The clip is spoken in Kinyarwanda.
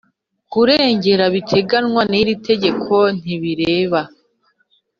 Kurengera biteganywa n iri tegeko ntibireba